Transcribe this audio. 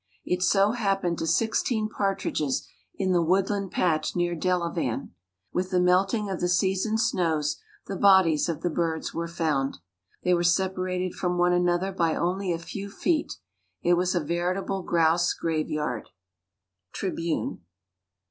It so happened to sixteen partridges in the woodland patch near Delavan. With the melting of the season's snows the bodies of the birds were found. They were separated from one another by only a few feet. It was a veritable grouse graveyard. _Tribune.